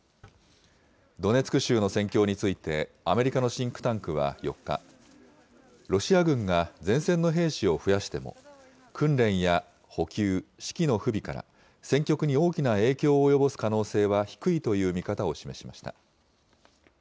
ドネツク州の戦況について、アメリカのシンクタンクは４日、ロシア軍が前線の兵士を増やしても、訓練や補給、指揮の不備から、戦局に大きな影響を及ぼす可能性は低いという見方を示しました。